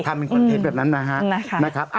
ทำเป็นคอนเทนต์แบบนั้นนะครับ